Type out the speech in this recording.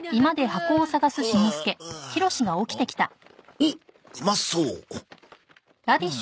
おっうまそう。